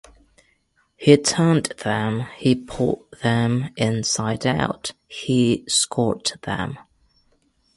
He turned them, he pulled them inside out, he scorched them.